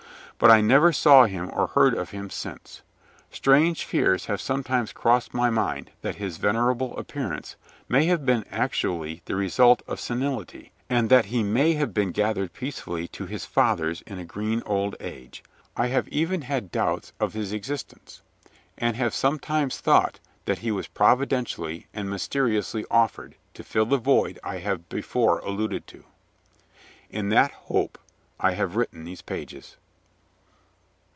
But I never saw him or heard of him since. Strange fears have sometimes crossed my mind that his venerable appearance may have been actually the result of senility, and that he may have been gathered peacefully to his fathers in a green old age. I have even had doubts of his existence, and have sometimes thought that he was providentially and mysteriously offered to fill the void I have before alluded to. In that hope I have written these pages.